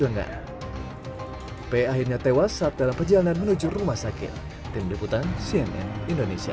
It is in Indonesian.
lengan p akhirnya tewas saat dalam perjalanan menuju rumah sakit tim deputan cnn indonesia